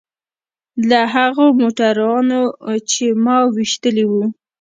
له هغو موټرانو چې ما ويشتلي وو.